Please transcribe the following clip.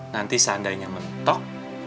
nanti seandainya mentok